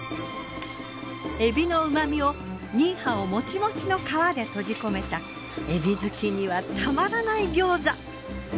エビの旨みをニーハオもちもちの皮で閉じ込めたエビ好きにはたまらない餃子。